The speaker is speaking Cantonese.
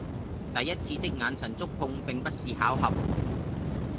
第一次的眼神觸碰並不是巧合